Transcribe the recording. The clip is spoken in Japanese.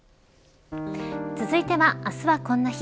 続いては、あすはこんな日。